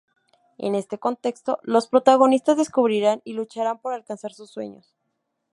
En este contexto, los protagonistas descubrirán y lucharán por alcanzar sus sueños.